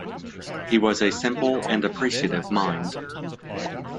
His was a simple and appreciative mind.